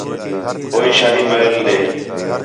ہوئی شاہی محل ݙے